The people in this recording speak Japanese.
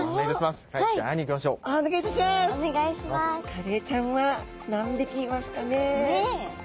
カレイちゃんは何匹いますかね。ね！